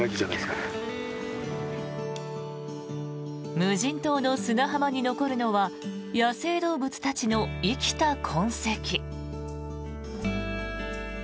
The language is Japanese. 無人島の砂浜に残るのは野生動物たちの生きた痕跡。